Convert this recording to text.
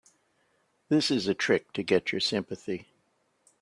This is a trick to get your sympathy.